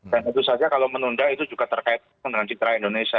dan tentu saja kalau menunda itu juga terkait dengan citra indonesia